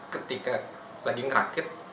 ketika lagi merakit